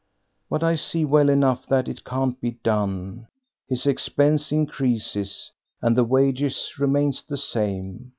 But I see well enough that it can't be done; his expense increases, and the wages remains the same.